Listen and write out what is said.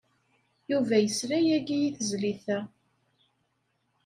Yuba yesla yagi i tezlit-a.